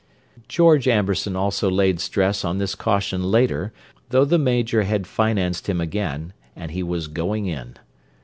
George Amberson also laid stress on this caution later, though the Major had "financed him" again, and he was "going in."